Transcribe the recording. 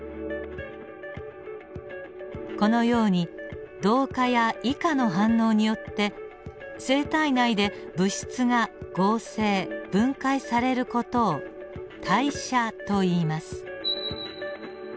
このように同化や異化の反応によって生体内で物質が合成分解される事を代謝といいます。